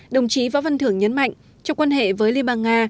đồng chí võ văn thưởng nhấn mạnh trong quan hệ với liên bang nga